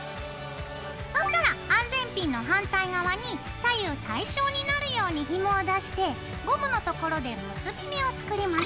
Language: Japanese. そうしたら安全ピンの反対側に左右対称になるようにひもを出してゴムのところで結び目を作ります。